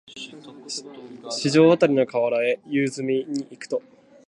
四条あたりの河原へ夕涼みに行くと、